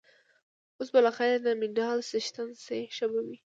اوس به له خیره د مډال څښتن شې، ښه به وي.